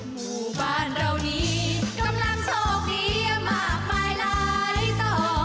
มุมบ้านเหล่านี้กำลังโชคเยี่ยมมากไปหลายต่อ